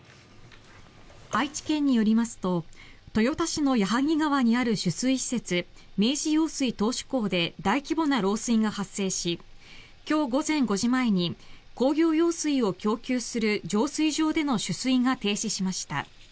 愛知県によりますと豊田市の矢作川にある取水施設明治用水頭首工で大規模な漏水が発生し今日午前５時前に工業用水を供給する浄水場での取水が停止しました。